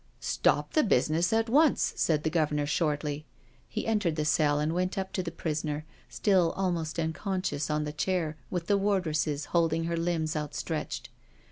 '*" Stop this business at once," said the Governor shortly. He entered the cell and went up to the prisoner, still almost unconscious on the chair, with the wardresses holding her limbs outstretched.